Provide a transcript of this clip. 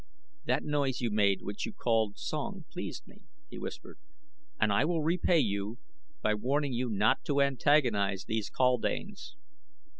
"That noise you made which you called song pleased me," he whispered, "and I will repay you by warning you not to antagonize these kaldanes.